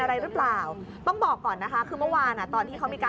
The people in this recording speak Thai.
อะไรหรือเปล่าต้องบอกก่อนนะคะคือเมื่อวานอ่ะตอนที่เขามีการ